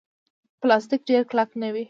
پلاستيک ډېر کلک نه وي.